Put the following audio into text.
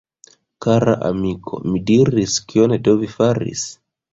Kara amiko! mi diris, kion do vi faris!?